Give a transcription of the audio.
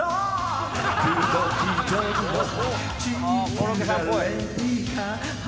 コロッケさんっぽい！